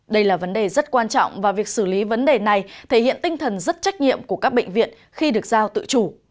đây là vấn đề rất quan trọng và việc xử lý vấn đề này thể hiện tinh thần rất trách nhiệm của các bệnh viện khi được giao tự chủ